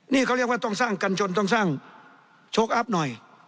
นี่เขาเรียกว่าต้องสร้างกันจนต้องสร้างโชคอัพหน่อย